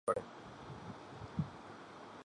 এটি দারুল উলূম দেওবন্দের মূলনীতি অনুসরণ করে।